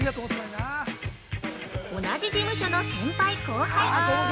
同じ事務所の先輩後輩。